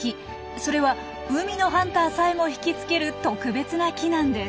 それは海のハンターさえも引き付ける特別な木なんです。